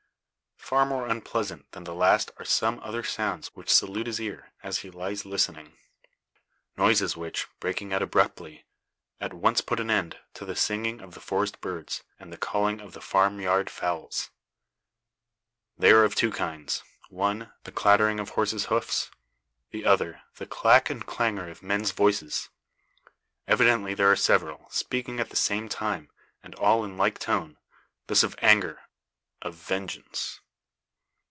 Far more unpleasant than the last are some other sounds which salute his ear, as he lies listening. Noises which, breaking out abruptly, at once put an end to the singing of the forest birds, and the calling of the farm yard fowls. They are of two kinds; one, the clattering of horses' hoofs, the other, the clack and clangour of men's voices. Evidently there are several, speaking at the same time, and all in like tone this of anger, of vengeance!